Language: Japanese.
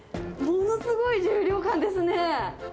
ものすごい重量感ですね。